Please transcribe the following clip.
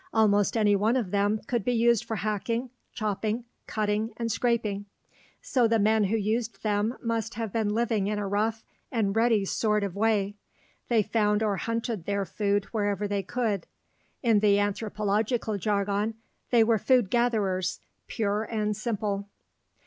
Almost any one of them could be used for hacking, chopping, cutting, and scraping; so the men who used them must have been living in a rough and ready sort of way. They found or hunted their food wherever they could. In the anthropological jargon, they were "food gatherers," pure and simple.